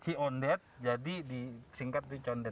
ciondet jadi disingkat jadi condet